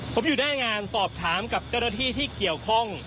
ผมอยู่หน้างานสอบถามกับเจ้าหน้าที่ที่เกี่ยวข้อง